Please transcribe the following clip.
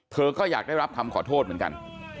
ก็อยากได้รับคำขอโทษเหมือนกัน